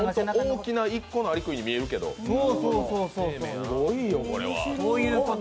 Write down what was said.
大きな１個のアリクイに見えるけど、すごいよこれは。